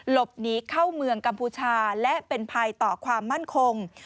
หลบหนีเข้าเมืองกัมพูชาและเป็นภัยต่อความมั่นคง